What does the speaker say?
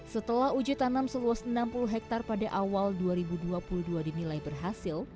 setelah uji tanam seluas enam puluh hektare pada awal dua ribu dua puluh dua dinilai berhasil